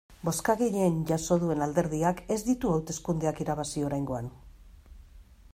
Bozka gehien jaso duen alderdiak ez ditu hauteskundeak irabazi oraingoan.